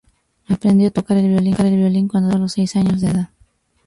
Aprendió a tocar el violín cuando tenía solo seis años de edad.